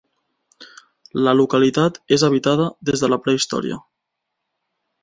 La localitat és habitada des de la prehistòria.